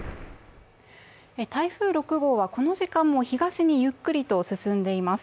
台風６号はこの時間も東にゆっくりと進んでいます。